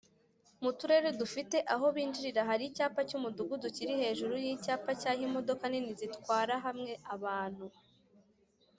muturere dufite aho binjirira hari Icyapa cy’umudugudu kiri hejuru y’icyapa cy’aho Imodoka nini zitwara hamwe abantu